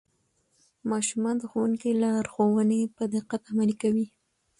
ماشومان د ښوونکي لارښوونې په دقت عملي کوي